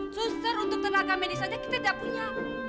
susur untuk tenaga medis aja kita tidak punya